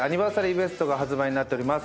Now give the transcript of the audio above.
ベストが発売になっております。